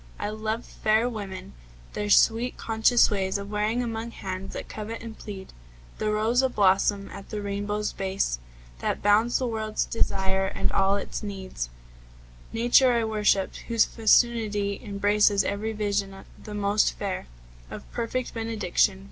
I loved fair women, their sweet, conscious ways Of wearing among hands that covet and plead The rose ablossom at the rainbow's base That bounds the world's desire and all its need. Nature I worshipped, whose fecundity Embraces every vision the most fair, Of perfect benediction.